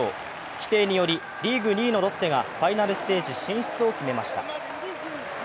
規定によりリーグ２位のロッテがファイナルステージ進出を決めました。